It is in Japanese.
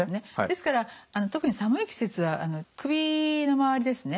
ですから特に寒い季節は首の周りですね